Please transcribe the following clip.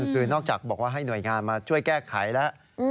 คือนอกจากบอกว่าให้หน่วยงานมาช่วยแก้ไขแล้ว